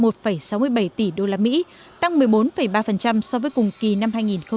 một sáu mươi bảy tỷ đô la mỹ tăng một mươi bốn ba so với cùng kỳ năm hai nghìn một mươi tám